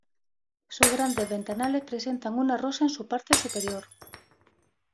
Sus grandes ventanales presentan una rosa en su parte superior.